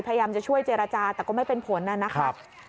พยายามจะช่วยเจรจาแต่ก็ไม่เป็นผลนะครับ